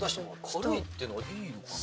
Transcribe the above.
軽いってのはいいのかな。